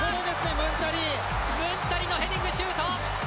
ムンタリのヘディングシュート！